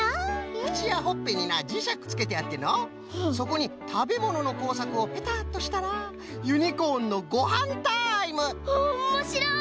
くちやほっぺになじしゃくつけてあってのうそこにたべもののこうさくをペタッとしたらユニコーンのごはんタイム！わおもしろい！